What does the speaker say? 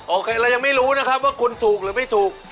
โอเคเรายังไม่รู้นะครับว่าคุณถูกหรือไม่ถูก